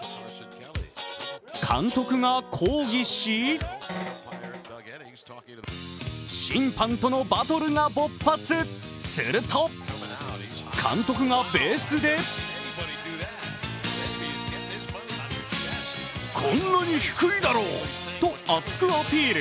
監督が抗議し審判とのバトルが勃発、すると監督がベースでこんなに低いだろうと熱くアピール。